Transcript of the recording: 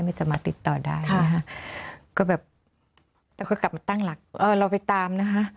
ไม่สามารถติดต่อได้นะคะก็แบบเราก็กลับมาตั้งหลักเออเราไปตามนะคะ